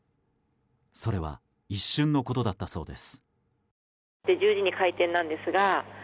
それは一瞬のことだったそうです。